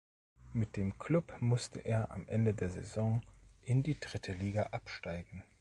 Mit dem Klub musste er am Ende der Saison in die dritte Liga absteigen.